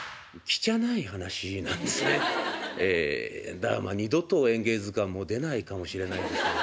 だからまあ二度と「演芸図鑑」も出ないかもしれないですね。